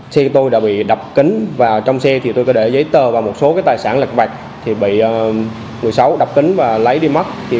xe tôi đã bị đập kính và trong xe tôi có để giấy tờ và một số tài sản lạc vạch bị người xấu đập kính và lấy đi mất